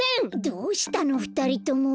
どうしたのふたりとも。